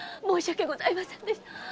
申し訳ございませんでした。